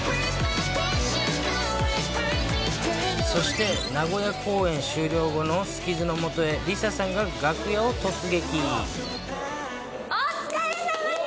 そして名古屋公演終了後のスキズのもとへ、ＬｉＳＡさんが楽屋をお疲れさまです！